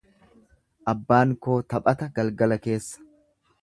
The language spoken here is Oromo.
Abbaan koo taphata galgala keessa.